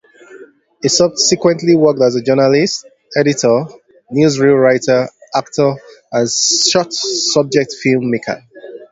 He subsequently worked as a journalist, editor, newsreel writer, actor and short-subject film maker.